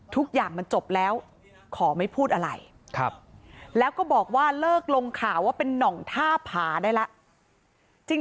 ทุกอย่างมันจบแล้วขอไม่พูดอะไรแล้วก็บอกว่าเลิกลงข่าวว่าเป็นน่องท่าผาได้แล้ว